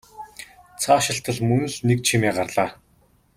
Цаашилтал мөн л нэг чимээ гарлаа.